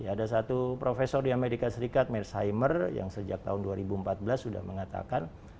ada satu profesor di amerika serikat merzheimer yang sejak tahun dua ribu empat belas sudah mengatakan